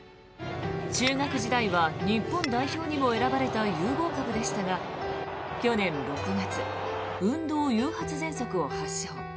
中学時代は日本代表にも選ばれた有望株でしたが去年６月運動誘発ぜんそくを発症。